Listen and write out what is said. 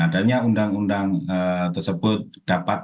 adanya undang undang tersebut dapat